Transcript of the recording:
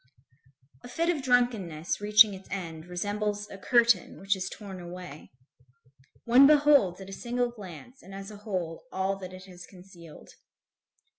A fit of drunkenness reaching its end resembles a curtain which is torn away. One beholds, at a single glance and as a whole, all that it has concealed.